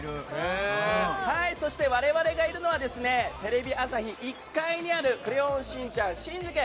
そして我々がいるのはテレビ朝日１階にある「クレヨンしんちゃんしん次元！